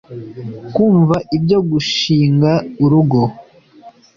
nkumva ibyo gush i nga urugo